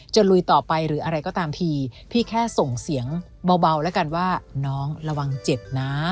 ลุยต่อไปหรืออะไรก็ตามทีพี่แค่ส่งเสียงเบาแล้วกันว่าน้องระวังเจ็บนะ